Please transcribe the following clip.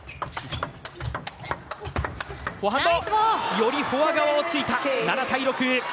よりフォア側を突いた。